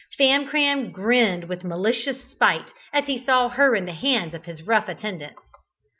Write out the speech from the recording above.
Famcram grinned with malicious spite as he saw her in the hands of his rough attendants.